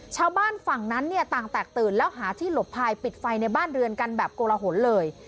ชาวบ้านฝั่งนั้นเนี่ยต่างแตกตื่นแล้วหาที่หลบพายปิดไฟในบ้านเรือนกันแบบโกลหนเลย